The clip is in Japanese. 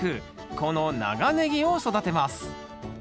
この長ネギを育てます